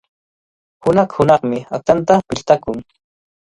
Hunaq-hunaqmi aqchanta piltakun.